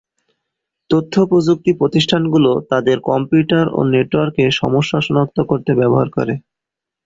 তথ্য প্রযুক্তি প্রতিষ্ঠানগুলো তাদের কম্পিউটার ও নেটওয়ার্কে সমস্যা শনাক্ত করতে ব্যবহার করে।